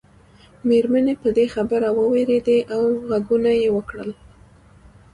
مېرمنې په دې خبره ووېرېدې او غږونه یې وکړل.